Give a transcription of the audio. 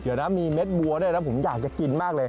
เดี๋ยวนะมีเม็ดบัวด้วยนะผมอยากจะกินมากเลย